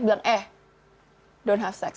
dan bilang eh don't have sex